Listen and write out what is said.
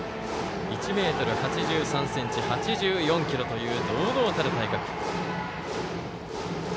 １ｍ８３ｃｍ、８４ｋｇという堂々たる体格。